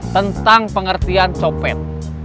tentang pengertian copet